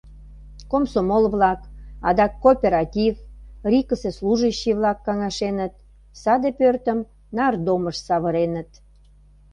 Комсомол-влак, адак кооператив, рикысе служащий-влак каҥашеныт, саде пӧртым нардомыш савыреныт.